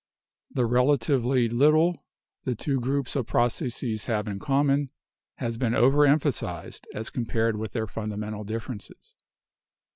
The relatively little the two groups of processes have in common has been overemphasized as compared with their fundamental differences.